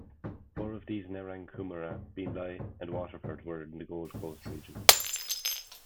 Four of these-Nerang, Coomera, Beenleigh and Waterford-were in the Gold Coast region.